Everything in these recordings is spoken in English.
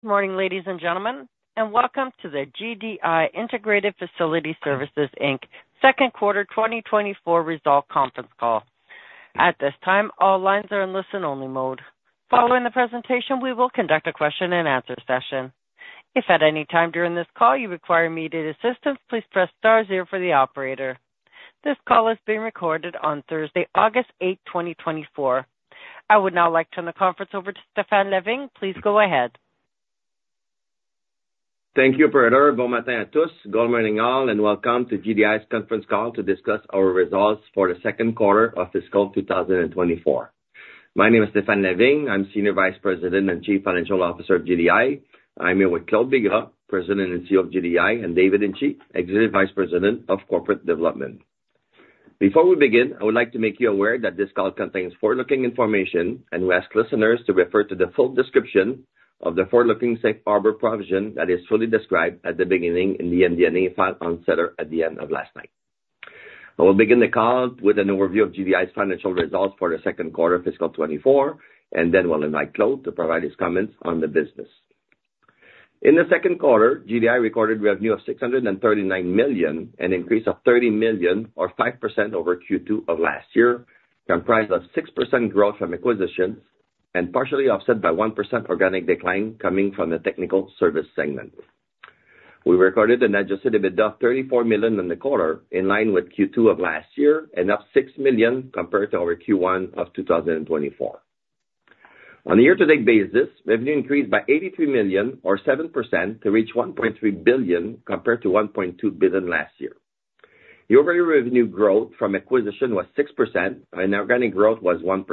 Good morning, ladies and gentlemen, and welcome to the GDI Integrated Facility Services, Inc., second quarter 2024 result conference call. At this time, all lines are in listen-only mode. Following the presentation, we will conduct a question-and-answer session. If at any time during this call you require immediate assistance, please press star zero for the operator. This call is being recorded on Thursday, August 8, 2024. I would now like to turn the conference over to Stéphane Lavigne. Please go ahead. Thank you, operator. Bon matin à tous. Good morning, all, and welcome to GDI's conference call to discuss our results for the second quarter of fiscal 2024. My name is Stéphane Lavigne. I'm Senior Vice President and Chief Financial Officer of GDI. I'm here with Claude Bigras, President and CEO of GDI, and David Hinchey, Executive Vice President of Corporate Development. Before we begin, I would like to make you aware that this call contains forward-looking information, and we ask listeners to refer to the full description of the forward-looking safe harbor provision that is fully described at the beginning in the MD&A file on SEDAR+ at the end of last night. I will begin the call with an overview of GDI's financial results for the second quarter of fiscal 2024, and then we'll invite Claude to provide his comments on the business. In the second quarter, GDI recorded revenue of 639 million, an increase of 30 million, or 5% over Q2 of last year, comprised of 6% growth from acquisitions and partially offset by 1% organic decline coming from the Technical Services segment. We recorded an Adjusted EBITDA of 34 million in the quarter, in line with Q2 of last year and up 6 million compared to our Q1 of 2024. On a year-to-date basis, revenue increased by 83 million or 7% to reach 1.3 billion, compared to 1.2 billion last year. Year-over-year revenue growth from acquisition was 6% and organic growth was 1%.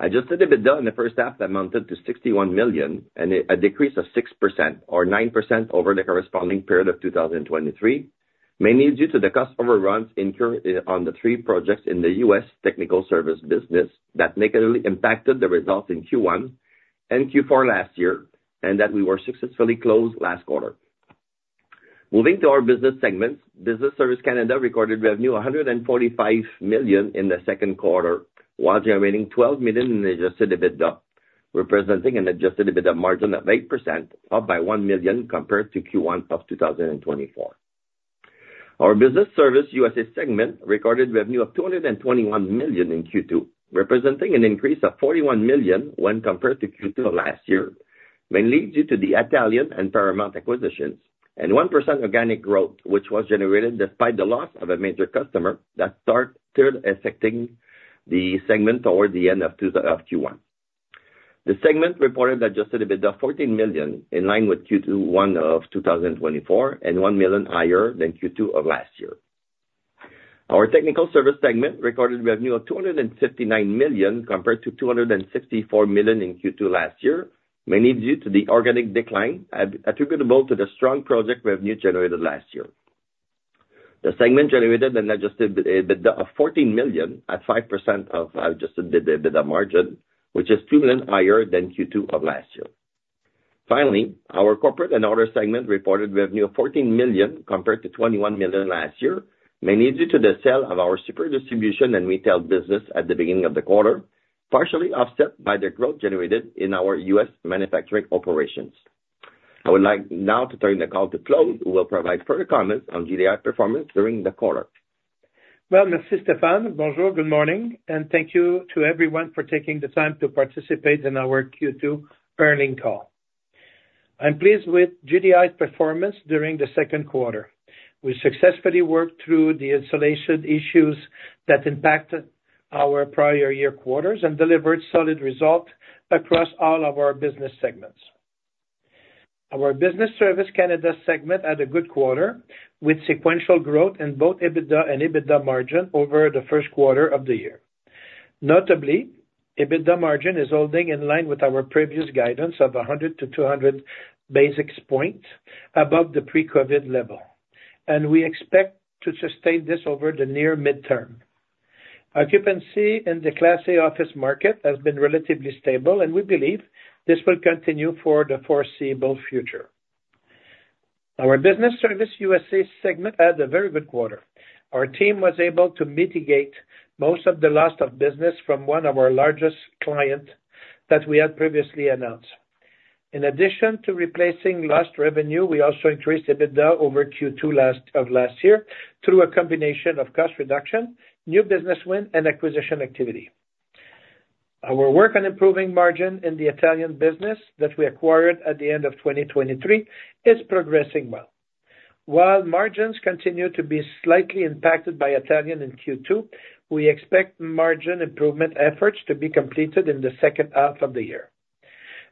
Adjusted EBITDA in the first half amounted to 61 million, a decrease of 6% or 9% over the corresponding period of 2023, mainly due to the cost overruns incurred on the three projects in the U.S. Technical Service business that negatively impacted the results in Q1 and Q4 last year, and that we successfully closed last quarter. Moving to our business segments, Business Services Canada recorded revenue of 145 million in the second quarter, while generating 12 million in adjusted EBITDA, representing an adjusted EBITDA margin of 8%, up by 1 million compared to Q1 of 2024. Our Business Services USA segment recorded revenue of CAD 221 million in Q2, representing an increase of CAD 41 million when compared to Q2 last year, mainly due to the Italian and Paramount acquisitions, and 1% organic growth, which was generated despite the loss of a major customer that started affecting the segment toward the end of Q1 2024. The segment reported Adjusted EBITDA of 14 million, in line with Q2 of 2024, and 1 million higher than Q2 of last year. Our Technical Services segment recorded revenue of 259 million, compared to 264 million in Q2 last year, mainly due to the organic decline attributable to the strong project revenue generated last year. The segment generated an Adjusted EBITDA of 14 million at 5% of Adjusted EBITDA margin, which is 2 million higher than Q2 of last year. Finally, our corporate and other segment reported revenue of 14 million, compared to 21 million last year, mainly due to the sale of our super distribution and retail business at the beginning of the quarter, partially offset by the growth generated in our U.S. manufacturing operations. I would like now to turn the call to Claude, who will provide further comments on GDI's performance during the quarter. Well, merci, Stéphane. Bonjour, good morning, and thank you to everyone for taking the time to participate in our Q2 earnings call. I'm pleased with GDI's performance during the second quarter. We successfully worked through the installation issues that impacted our prior year quarters and delivered solid results across all of our business segments. Our Business Services Canada segment had a good quarter, with sequential growth in both EBITDA and EBITDA margin over the first quarter of the year. Notably, EBITDA margin is holding in line with our previous guidance of 100-200 basis points above the pre-COVID level, and we expect to sustain this over the near midterm. Occupancy in the Class A office market has been relatively stable, and we believe this will continue for the foreseeable future. Our Business Services USA segment had a very good quarter. Our team was able to mitigate most of the loss of business from one of our largest client that we had previously announced. In addition to replacing lost revenue, we also increased EBITDA over Q2 of last year through a combination of cost reduction, new business win, and acquisition activity. Our work on improving margin in the Italian business that we acquired at the end of 2023 is progressing well. While margins continue to be slightly impacted by Italian in Q2, we expect margin improvement efforts to be completed in the second half of the year.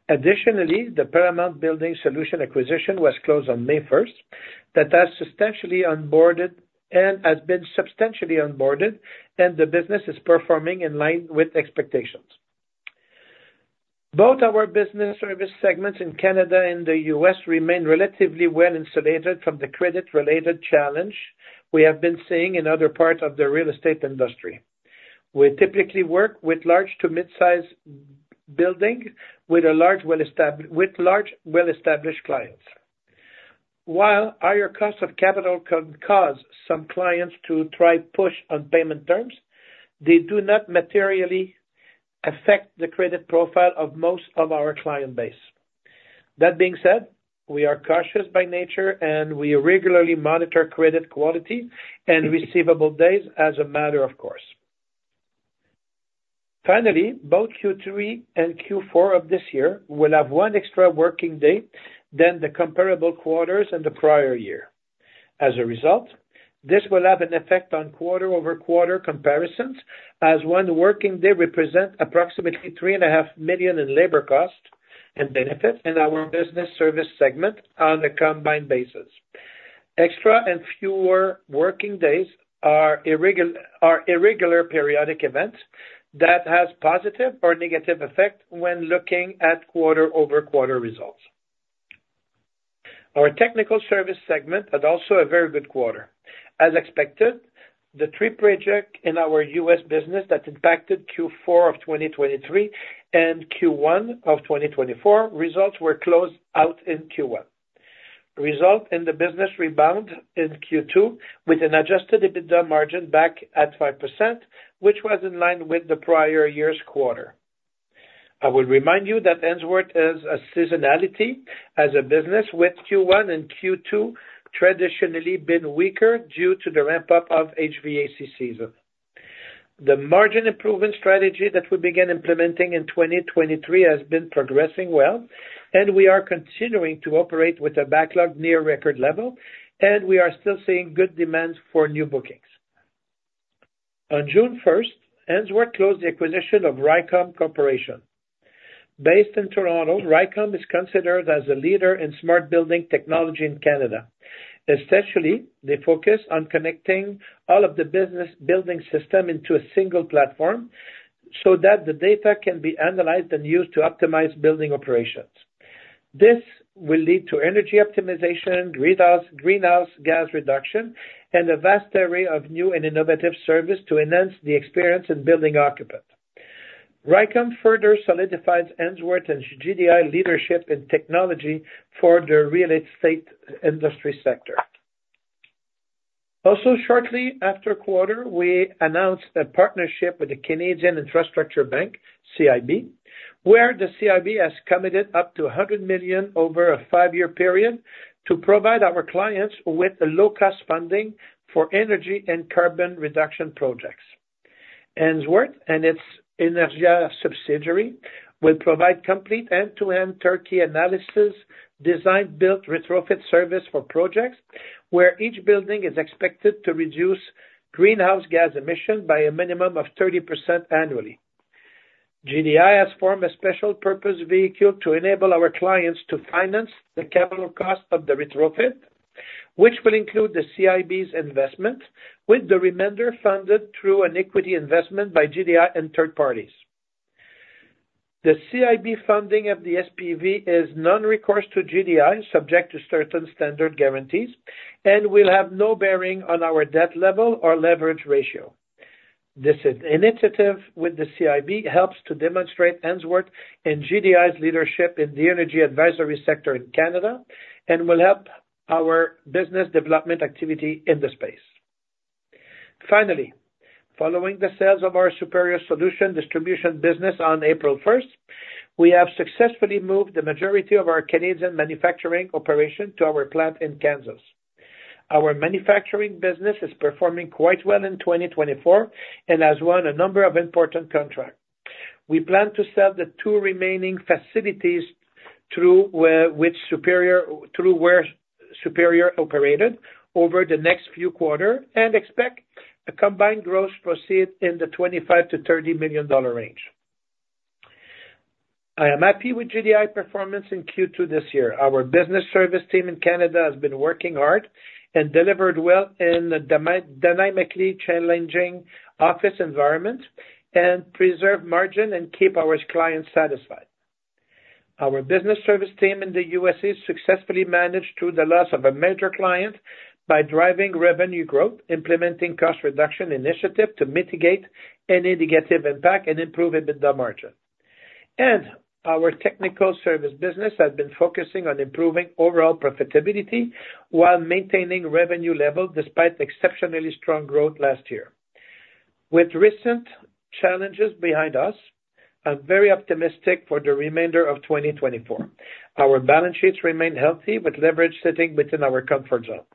Additionally, the Paramount Building Solution acquisition was closed on May 1, that has substantially onboarded, and has been substantially onboarded, and the business is performing in line with expectations. Both our Business Services segments in Canada and the US remain relatively well insulated from the credit-related challenge we have been seeing in other parts of the real estate industry. We typically work with large to midsize building, with large, well-established clients.... While higher costs of capital can cause some clients to try push on payment terms, they do not materially affect the credit profile of most of our client base. That being said, we are cautious by nature, and we regularly monitor credit quality and receivable days as a matter of course. Finally, both Q3 and Q4 of this year will have one extra working day than the comparable quarters in the prior year. As a result, this will have an effect on quarter-over-quarter comparisons, as one working day represent approximately 3.5 million in labor cost and benefits in our Business Services segment on a combined basis. Extra and fewer working days are irregular periodic events that has positive or negative effect when looking at quarter-over-quarter results. Our Technical Service segment had also a very good quarter. As expected, the three project in our US business that impacted Q4 of 2023 and Q1 of 2024, results were closed out in Q1. Result in the business rebound in Q2 with an Adjusted EBITDA margin back at 5%, which was in line with the prior year's quarter. I will remind you that Ainsworth is a seasonality as a business, with Q1 and Q2 traditionally been weaker due to the ramp-up of HVAC season. The margin improvement strategy that we began implementing in 2023 has been progressing well, and we are continuing to operate with a backlog near record level, and we are still seeing good demand for new bookings. On June 1, Ainsworth closed the acquisition of Rycom Corporation. Based in Toronto, Rycom is considered as a leader in smart building technology in Canada. Essentially, they focus on connecting all of the business building system into a single platform so that the data can be analyzed and used to optimize building operations. This will lead to energy optimization, greenhouse gas reduction, and a vast array of new and innovative service to enhance the experience in building occupant. Rycom further solidifies Ainsworth and GDI leadership in technology for the real estate industry sector. Also, shortly after quarter, we announced a partnership with the Canada Infrastructure Bank, CIB, where the CIB has committed up to 100 million over a 5-year period to provide our clients with a low-cost funding for energy and carbon reduction projects. Ainsworth and its Energia subsidiary will provide complete end-to-end turnkey analysis, design, build retrofit service for projects, where each building is expected to reduce greenhouse gas emissions by a minimum of 30% annually. GDI has formed a special purpose vehicle to enable our clients to finance the capital cost of the retrofit, which will include the CIB's investment, with the remainder funded through an equity investment by GDI and third parties. The CIB funding of the SPV is non-recourse to GDI, subject to certain standard guarantees, and will have no bearing on our debt level or leverage ratio. This initiative with the CIB helps to demonstrate Ainsworth and GDI's leadership in the energy advisory sector in Canada and will help our business development activity in the space. Finally, following the sales of our Superior Solutions distribution business on April first, we have successfully moved the majority of our Canadian manufacturing operation to our plant in Kansas. Our manufacturing business is performing quite well in 2024 and has won a number of important contracts. We plan to sell the two remaining facilities through where Superior operated over the next few quarters, and expect a combined gross proceeds in the $25 million-$30 million range. I am happy with GDI performance in Q2 this year. Our business services team in Canada has been working hard and delivered well in the dynamically challenging office environment and preserve margin and keep our clients satisfied. Our business service team in the U.S. has successfully managed through the loss of a major client by driving revenue growth, implementing cost reduction initiative to mitigate any negative impact and improve EBITDA margin. Our technical service business has been focusing on improving overall profitability while maintaining revenue level, despite exceptionally strong growth last year. With recent challenges behind us, I'm very optimistic for the remainder of 2024. Our balance sheets remain healthy, with leverage sitting within our comfort zone.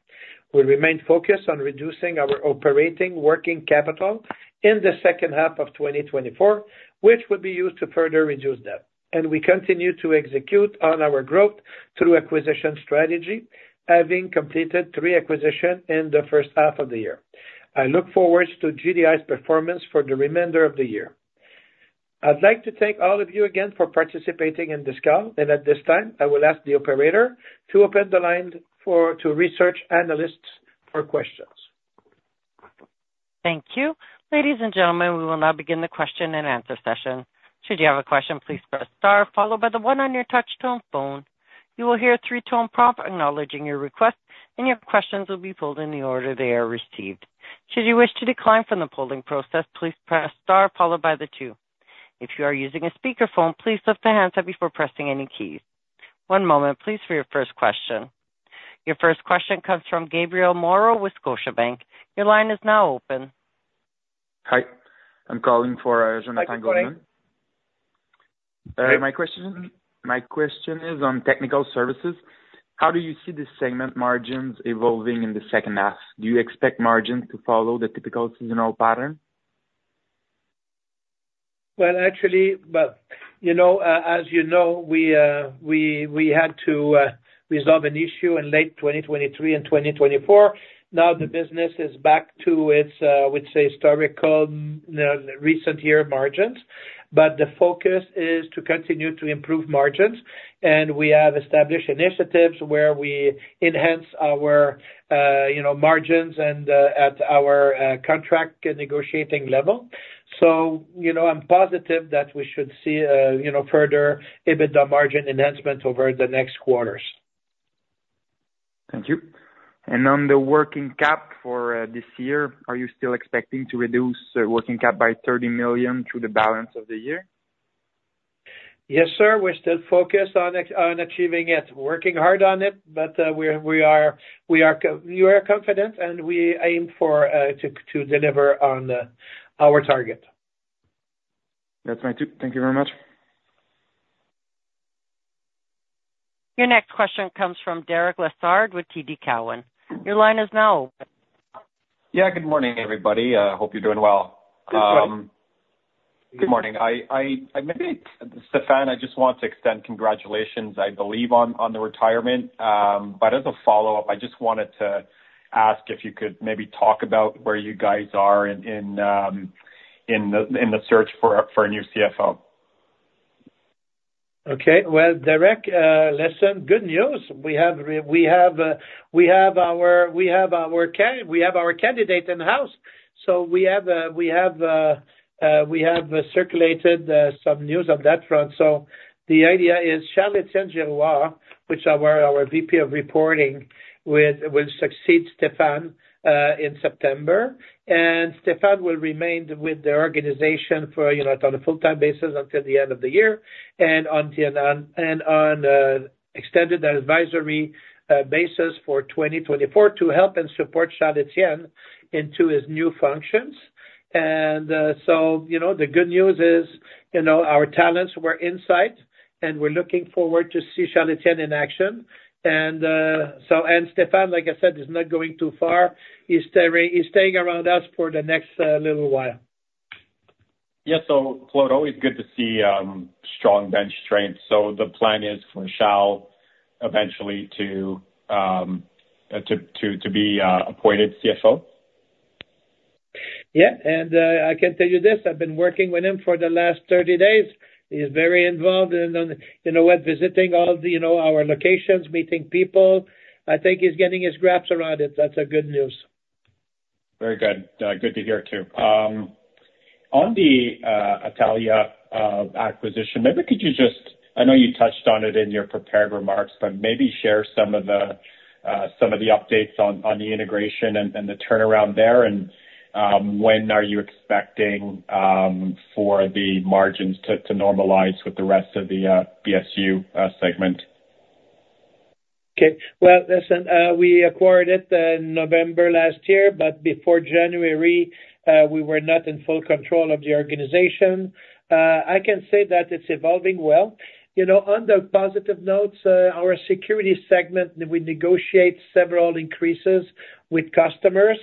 We remain focused on reducing our operating working capital in the second half of 2024, which will be used to further reduce debt, and we continue to execute on our growth through acquisition strategy, having completed three acquisitions in the first half of the year. I look forward to GDI's performance for the remainder of the year. I'd like to thank all of you again for participating in this call, and at this time, I will ask the operator to open the line for research analysts for questions. Thank you. Ladies and gentlemen, we will now begin the question and answer session. Should you have a question, please press star followed by the one on your touchtone phone. You will hear a three-tone prompt acknowledging your request, and your questions will be pulled in the order they are received. Should you wish to decline from the polling process, please press star followed by the two.... If you are using a speakerphone, please lift the handset before pressing any keys. One moment, please, for your first question. Your first question comes from Gabriel Moreau with Scotiabank. Your line is now open. Hi. I'm calling for Jean-Nicolas. My question, my question is on technical services. How do you see the segment margins evolving in the second half? Do you expect margins to follow the typical seasonal pattern? Well, actually, well, you know, as you know, we, we had to resolve an issue in late 2023 and 2024. Now the business is back to its, I would say, historical, recent year margins. But the focus is to continue to improve margins, and we have established initiatives where we enhance our, you know, margins and, at our, contract negotiating level. So, you know, I'm positive that we should see, you know, further EBITDA margin enhancements over the next quarters. Thank you. And on the working cap for this year, are you still expecting to reduce working cap by 30 million through the balance of the year? Yes, sir, we're still focused on achieving it, working hard on it, but we are confident, and we aim to deliver on our target. That's my two. Thank you very much. Your next question comes from Derek Lessard with TD Cowen. Your line is now open. Yeah, good morning, everybody. Hope you're doing well. Good, well. Good morning. Maybe, Stéphane, I just want to extend congratulations, I believe, on the retirement. But as a follow-up, I just wanted to ask if you could maybe talk about where you guys are in the search for a new CFO. Okay. Well, Derek, listen, good news. We have our candidate in the house! So we have circulated some news on that front. So the idea is Charles-Étienne Girouard, our VP of Reporting, will succeed Stéphane in September. And Stéphane will remain with the organization for, you know, on a full-time basis until the end of the year, and on extended advisory basis for 2024 to help and support Charles-Étienne into his new functions. And, so you know, the good news is, you know, our talents were inside, and we're looking forward to see Charles-Étienne in action. And, so, and Stéphane, like I said, is not going too far. He's staying, he's staying around us for the next little while. Yeah, so Claude, always good to see strong bench strength. So the plan is for Charles eventually to be appointed CFO? Yeah, I can tell you this, I've been working with him for the last 30 days. He's very involved in, you know, visiting all the, you know, our locations, meeting people. I think he's getting his arms around it. That's a good news. Very good. Good to hear, too. On the Atalian acquisition, maybe could you just... I know you touched on it in your prepared remarks, but maybe share some of the some of the updates on the integration and the turnaround there, and when are you expecting for the margins to normalize with the rest of the BSU segment? Okay. Well, listen, we acquired it in November last year, but before January, we were not in full control of the organization. I can say that it's evolving well. You know, on the positive notes, our security segment, we negotiate several increases with customers,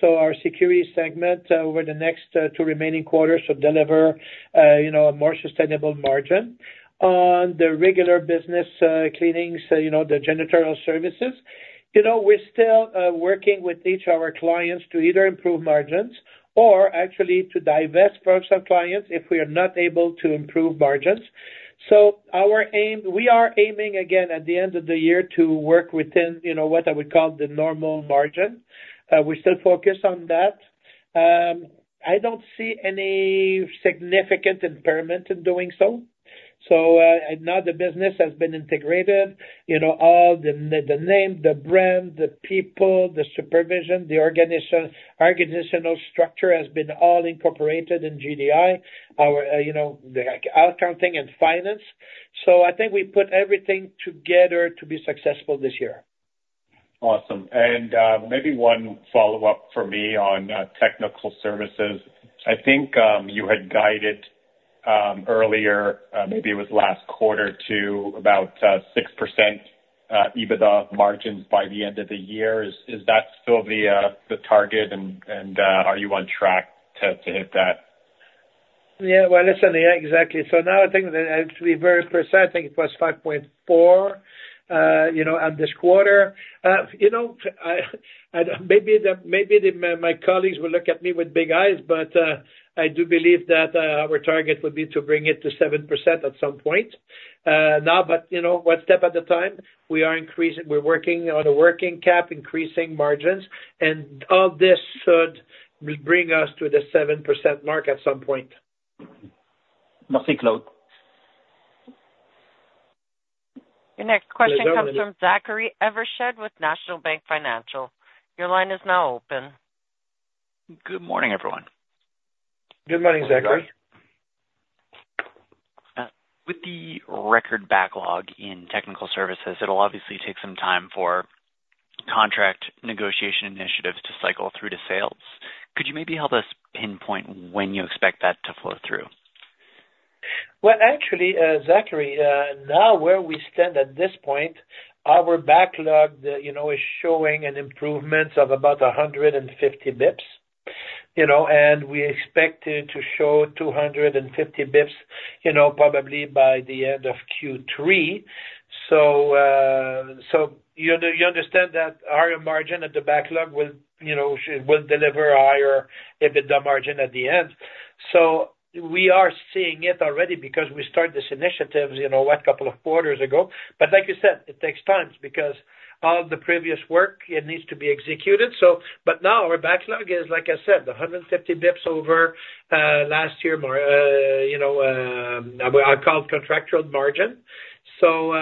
so our security segment over the next, 2 remaining quarters should deliver, you know, a more sustainable margin. On the regular business, cleanings, you know, the janitorial services, you know, we're still, working with each of our clients to either improve margins or actually to divest from some clients if we are not able to improve margins. So our aim, we are aiming again at the end of the year to work within, you know, what I would call the normal margin. We're still focused on that. I don't see any significant impairment in doing so. So, now the business has been integrated, you know, all the name, the brand, the people, the supervision, the organization, organizational structure has been all incorporated in GDI, our, you know, the accounting and finance. So I think we put everything together to be successful this year. Awesome. Maybe one follow-up for me on technical services. I think you had guided earlier, maybe it was last quarter, to about 6% EBITDA margins by the end of the year. Is that still the target, and are you on track to hit that? Yeah, well, listen, yeah, exactly. So now I think that to be very precise, I think it was 5.4, you know, on this quarter. You know, I maybe my colleagues will look at me with big eyes, but I do believe that our target would be to bring it to 7% at some point. Now, but, you know, one step at a time, we are increasing, we're working on a working cap, increasing margins, and all this should bring us to the 7% mark at some point. Merci, Claude. Your next question comes from Zachary Evershed with National Bank Financial. Your line is now open. Good morning, everyone. Good morning, Zachary. With the record backlog in technical services, it'll obviously take some time for contract negotiation initiatives to cycle through to sales. Could you maybe help us pinpoint when you expect that to flow through? Well, actually, Zachary, now, where we stand at this point, our backlog, you know, is showing an improvement of about 150 basis points, you know, and we expect it to show 250 basis points, you know, probably by the end of Q3. So, so you understand that our margin at the backlog will, you know, will deliver a higher EBITDA margin at the end. So we are seeing it already because we start this initiatives, you know, what, couple of quarters ago. But like you said, it takes time because all the previous work, it needs to be executed. So but now our backlog is, like I said, 150 basis points over last year, more, you know, I called contractual margin. So,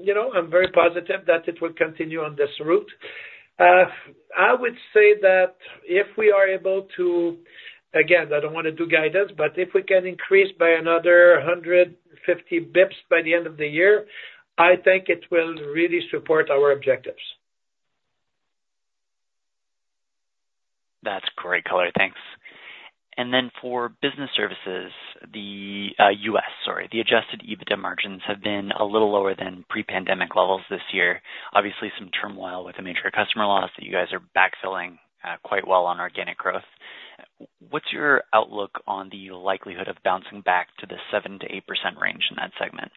you know, I'm very positive that it will continue on this route. I would say that if we are able to... Again, I don't wanna do guidance, but if we can increase by another 150 basis points by the end of the year, I think it will really support our objectives. That's great color. Thanks. And then for business services, the U.S., sorry, the adjusted EBITDA margins have been a little lower than pre-pandemic levels this year. Obviously, some turmoil with the major customer loss that you guys are backfilling quite well on organic growth. What's your outlook on the likelihood of bouncing back to the 7%-8% range in that segment?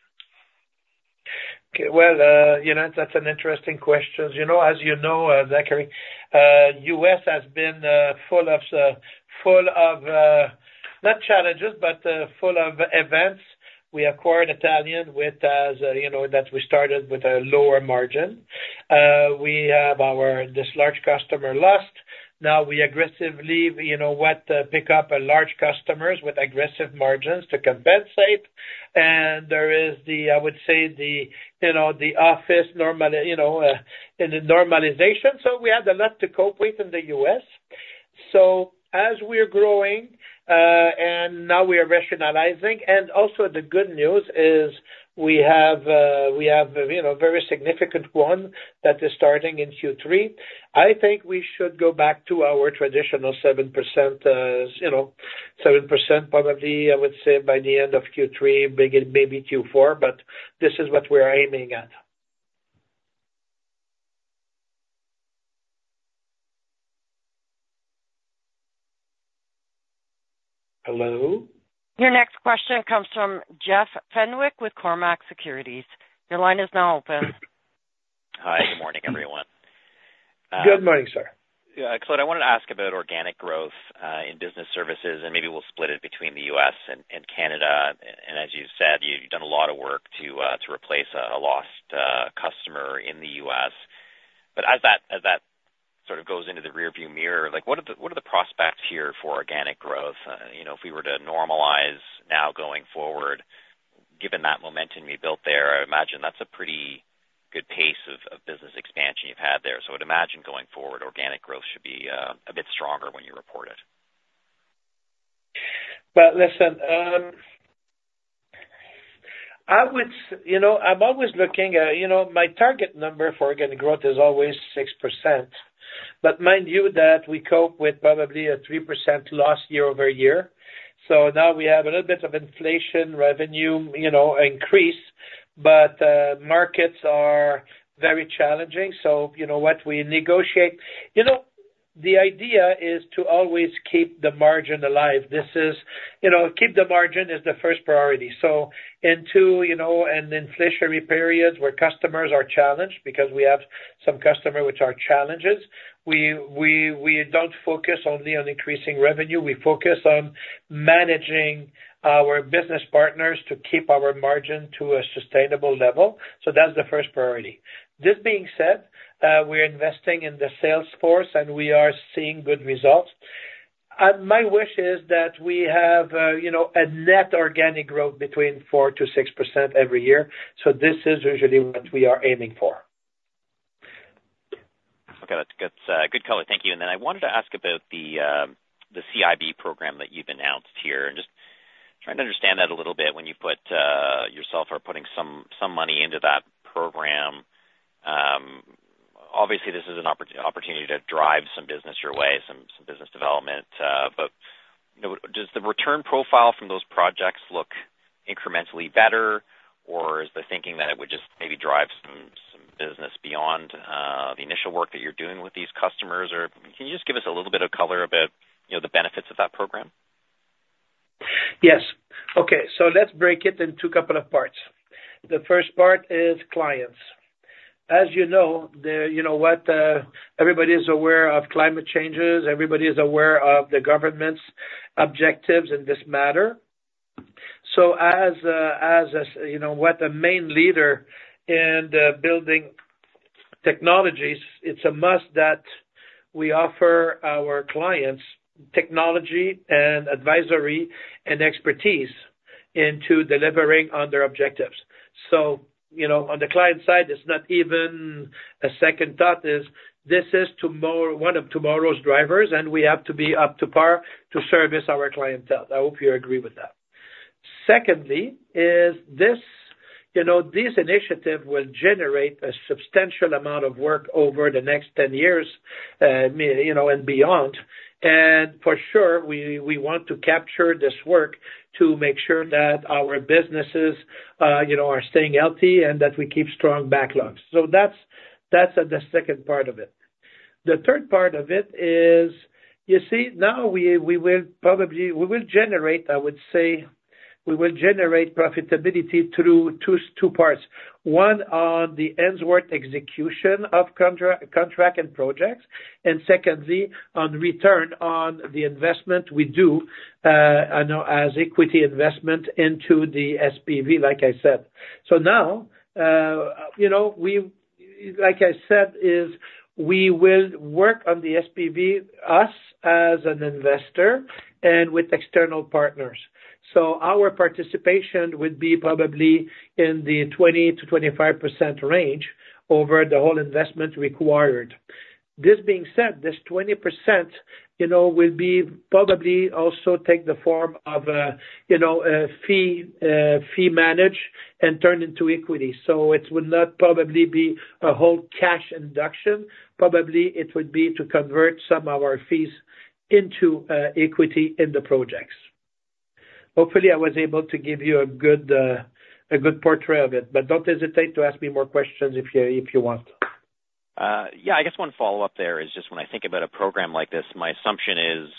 Okay, well, you know, that's an interesting question. You know, as you know, Zachary, US has been full of, full of, not challenges, but full of events. We acquired Italian with, as, you know, that we started with a lower margin. We have our-- this large customer lost. Now, we aggressively, you know what, pick up a large customers with aggressive margins to compensate. And there is the, I would say the, you know, the office normal-- you know, in the normalization. So we had a lot to cope with in the US. So as we're growing, and now we are rationalizing, and also the good news is we have, we have, you know, a very significant one that is starting in Q3. I think we should go back to our traditional 7%, you know, 7%, probably, I would say, by the end of Q3, maybe, maybe Q4, but this is what we're aiming at. Hello? Your next question comes from Jeff Fenwick with Cormark Securities. Your line is now open. Hi, good morning, everyone. Good morning, sir. Yeah. Claude, I wanted to ask about organic growth in business services, and maybe we'll split it between the U.S. and Canada. And as you said, you've done a lot of work to replace a lost customer in the U.S. But as that sort of goes into the rearview mirror, like what are the prospects here for organic growth? You know, if we were to normalize now going forward, given that momentum you built there, I imagine that's a pretty good pace of business expansion you've had there. So I would imagine going forward, organic growth should be a bit stronger when you report it. Well, listen, you know, I'm always looking, you know, my target number for organic growth is always 6%, but mind you, that we cope with probably a 3% loss year-over-year. So now we have a little bit of inflation revenue, you know, increase, but markets are very challenging, so, you know what? We negotiate. You know, the idea is to always keep the margin alive. This is. You know, keep the margin is the first priority. So into, you know, an inflationary periods where customers are challenged, because we have some customer which are challenges, we don't focus only on increasing revenue. We focus on managing our business partners to keep our margin to a sustainable level. So that's the first priority. This being said, we're investing in the sales force, and we are seeing good results. My wish is that we have, you know, a net organic growth between 4%-6% every year. So this is usually what we are aiming for. Okay, that's good color. Thank you. And then I wanted to ask about the CIB program that you've announced here, and just trying to understand that a little bit when you put yourself or putting some money into that program. Obviously, this is an opportunity to drive some business your way, some business development, but you know, does the return profile from those projects look incrementally better, or is the thinking that it would just maybe drive some business beyond the initial work that you're doing with these customers? Or can you just give us a little bit of color about you know, the benefits of that program? Yes. Okay, so let's break it into a couple of parts. The first part is clients. As you know, you know what, everybody is aware of climate changes, everybody is aware of the government's objectives in this matter. So as, as, you know, what the main leader in the building technologies, it's a must that we offer our clients technology and advisory and expertise into delivering on their objectives. So, you know, on the client side, it's not even a second thought, is this is tomorrow, one of tomorrow's drivers, and we have to be up to par to service our clientele. I hope you agree with that. Secondly, is this, you know, this initiative will generate a substantial amount of work over the next 10 years, you know, and beyond. And for sure, we want to capture this work to make sure that our businesses, you know, are staying healthy and that we keep strong backlogs. So that's the second part of it. The third part of it is, you see, now we will probably generate, I would say, profitability through two parts. One, on the Ainsworth execution of contract and projects, and secondly, on return on the investment we do, you know, as equity investment into the SPV, like I said. So now, you know, we, like I said, is we will work on the SPV, us as an investor, and with external partners. So our participation would be probably in the 20%-25% range over the whole investment required. This being said, this 20%, you know, will probably also take the form of a, you know, a fee management and turn into equity. So it will not probably be a whole cash injection. Probably, it would be to convert some of our fees into equity in the projects. Hopefully, I was able to give you a good, a good portrayal of it, but don't hesitate to ask me more questions if you, if you want. Yeah, I guess one follow-up there is just when I think about a program like this, my assumption is,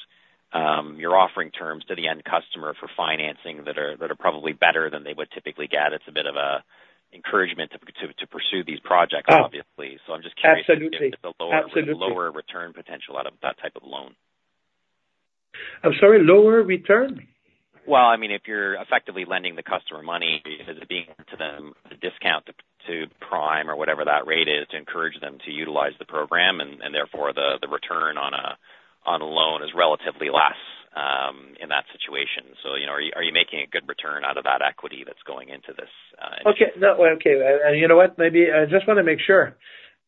you're offering terms to the end customer for financing that are probably better than they would typically get. It's a bit of a encouragement to pursue these projects, obviously. Ah. I'm just curious- Absolutely. If it's a lower, lower return potential out of that type of loan. I'm sorry, lower return? Well, I mean, if you're effectively lending the customer money, is it being to them the discount to prime or whatever that rate is, to encourage them to utilize the program, and therefore, the return on a loan is relatively less in that situation. So, you know, are you making a good return out of that equity that's going into this initiative? Okay. No, okay, you know what? Maybe I just wanna make sure.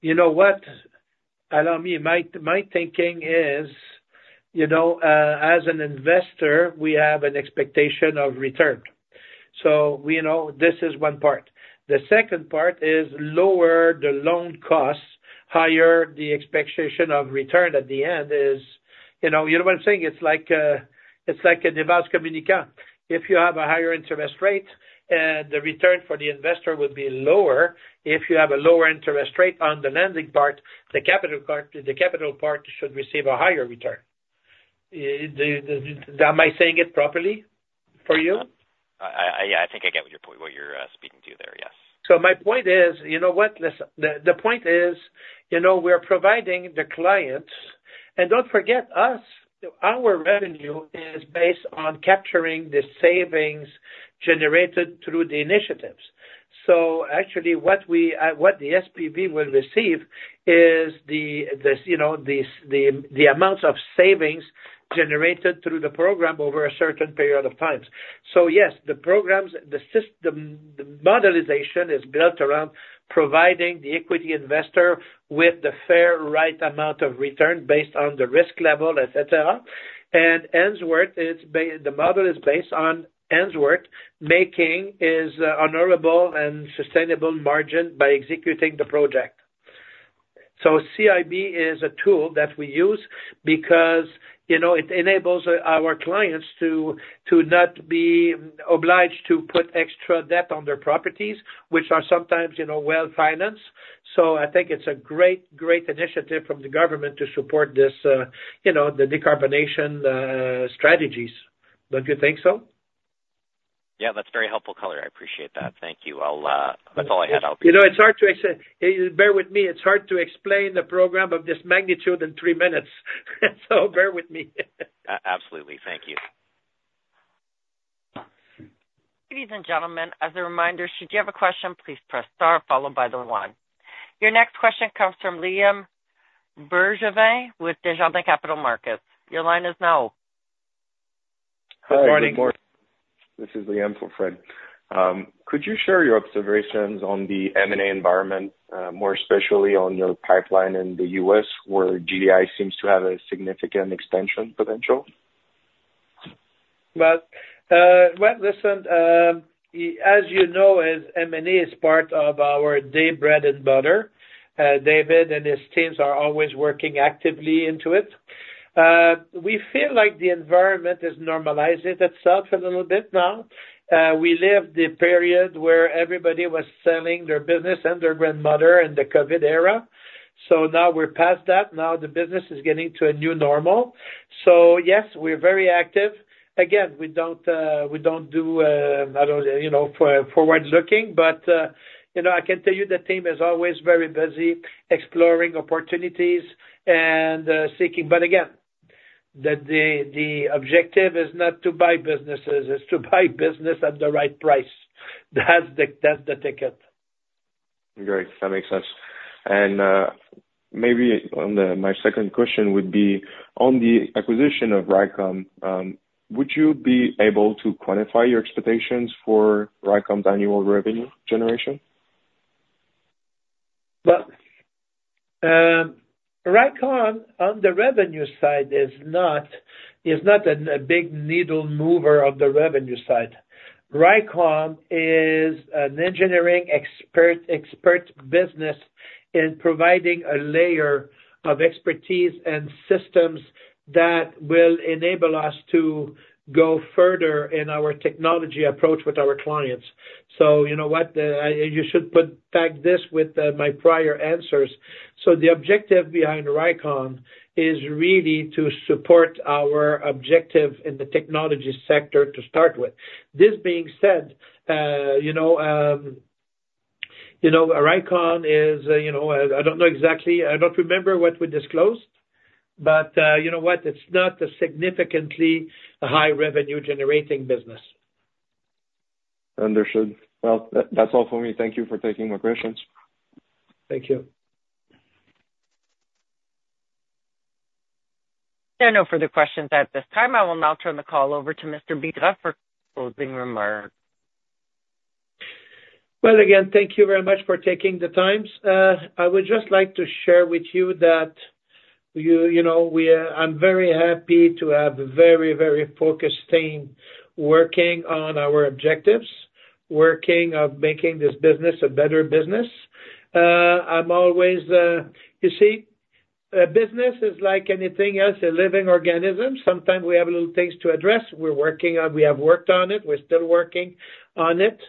You know what? Allow me, my, my thinking is, you know, as an investor, we have an expectation of return. So we know this is one part. The second part is lower the loan costs, higher the expectation of return at the end is... You know, you know what I'm saying? It's like, it's like vice versa. If you have a higher interest rate, the return for the investor would be lower. If you have a lower interest rate on the lending part, the capital part, the capital part should receive a higher return. Do-- am I saying it properly for you? Yeah, I think I get what you're speaking to there, yes. So my point is, you know what? Listen, the point is, you know, we're providing the clients... And don't forget us, our revenue is based on capturing the savings generated through the initiatives. So actually, what the SPV will receive is the, this, you know, the amount of savings generated through the program over a certain period of time. So yes, the programs, the modelization is built around providing the equity investor with the fair, right amount of return based on the risk level, et cetera. And Ainsworth is the model is based on Ainsworth making his honorable and sustainable margin by executing the project. So CIB is a tool that we use because, you know, it enables our clients to not be obliged to put extra debt on their properties, which are sometimes, you know, well-financed. So I think it's a great, great initiative from the government to support this, you know, the decarbonization strategies. Don't you think so? Yeah, that's very helpful color. I appreciate that. Thank you. I'll... That's all I had. I'll- You know, it's hard to explain the program of this magnitude in three minutes. So bear with me. Absolutely. Thank you. Ladies and gentlemen, as a reminder, should you have a question, please press Star followed by the one. Your next question comes from Liam Bergevin with Desjardins Capital Markets. Your line is now open. Hi, good morning. This is Liam for Fred. Could you share your observations on the M&A environment, more especially on your pipeline in the U.S., where GDI seems to have a significant expansion potential? But, well, listen, as you know, as M&A is part of our day bread and butter, David and his teams are always working actively into it. We feel like the environment is normalizing itself a little bit now. We lived the period where everybody was selling their business and their grandmother in the COVID era, so now we're past that. Now, the business is getting to a new normal. So yes, we're very active. Again, we don't, we don't do not only, you know, for forward-looking, but, you know, I can tell you the team is always very busy exploring opportunities and seeking. But again, that the objective is not to buy businesses, it's to buy business at the right price. That's the ticket. Great, that makes sense. And, maybe on the, my second question would be on the acquisition of Rycom, would you be able to quantify your expectations for Rycom's annual revenue generation? Well, Rycom, on the revenue side, is not a big needle mover on the revenue side. Rycom is an engineering expert business in providing a layer of expertise and systems that will enable us to go further in our technology approach with our clients. So you know what? You should put, tag this with my prior answers. So the objective behind Rycom is really to support our objective in the technology sector to start with. This being said, you know, you know, Rycom is, you know, I don't know exactly... I don't remember what we disclosed, but, you know what? It's not a significantly high revenue generating business. Understood. Well, that's all for me. Thank you for taking my questions. Thank you. There are no further questions at this time. I will now turn the call over to Mr. Bigras for closing remarks. Well, again, thank you very much for taking the time. I would just like to share with you that, you know, we are, I'm very happy to have a very, very focused team working on our objectives, working on making this business a better business. I'm always. You see, a business is like anything else, a living organism. Sometimes we have little things to address. We're working on, we have worked on it, we're still working on it,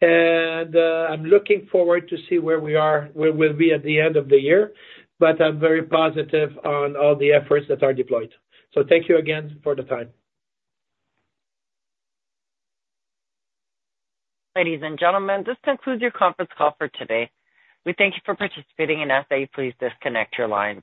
and, I'm looking forward to see where we are, where we'll be at the end of the year. But I'm very positive on all the efforts that are deployed. So thank you again for the time. Ladies and gentlemen, this concludes your conference call for today. We thank you for participating, and as always, please disconnect your lines.